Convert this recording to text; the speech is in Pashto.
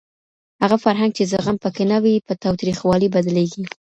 هغه فرهنګ چي زغم په کي نه وي په تاوتريخوالي بدليږي.